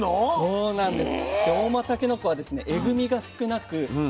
そうなんです。